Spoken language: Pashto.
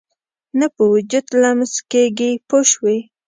نه په وجود لمس کېږي پوه شوې!.